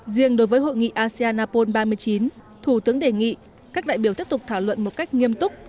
riêng đối với hội nghị asean apol ba mươi chín thủ tướng đề nghị các đại biểu tiếp tục thảo luận một cách nghiêm túc